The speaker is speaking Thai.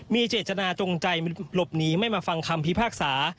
มีเจตนาจงใจมันหลบหนีไม่มาฟังคำพิพากษา